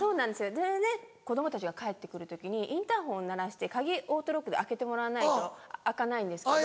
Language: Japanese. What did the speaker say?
それで子供たちが帰って来る時にインターホンを鳴らして鍵オートロックで開けてもらわないと開かないんですけど